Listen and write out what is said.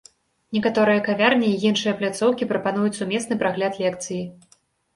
Некаторыя кавярні і іншыя пляцоўкі прапануюць сумесны прагляд лекцыі.